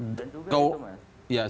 dan tugas itu mas